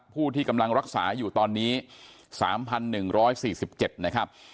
ผู้ที่กำลังรักษาอยู่ตอนนี้๓๑๔๗นะครับ